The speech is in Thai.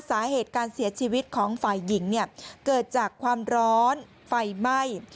สาเหตุการเสียชีวิตของฝ่ายหญิงเนี่ยเกิดจากความร้อนไฟไหม้